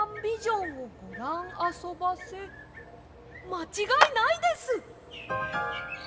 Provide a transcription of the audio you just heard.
まちがいないです！